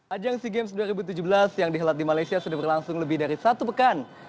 ajang sea games dua ribu tujuh belas yang dihelat di malaysia sudah berlangsung lebih dari satu pekan